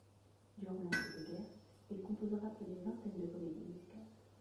Durant l'entre-deux-guerres, il composera près d'une vingtaine de comédies musicales.